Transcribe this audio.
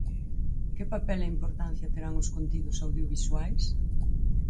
Que papel e importancia terán os contidos audiovisuais?